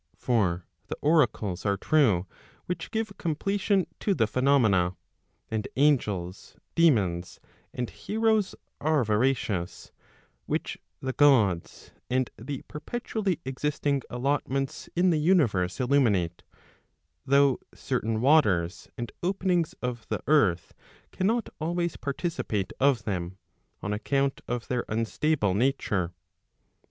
For the oracles are true which give completion to the phenomena, and angels, daemons and heroes are veracious, which the Gods and the perpetually existing allotments in the universe illuminate, though certain waters and openings of the earth cannot always participate of them, on account of their unstable nature.